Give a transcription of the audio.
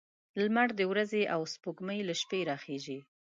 لمر د ورځې او سپوږمۍ له شپې راخيژي